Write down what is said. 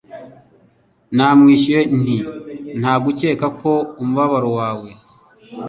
Namwishuye nti Nta gukeka ko umubabaro wawe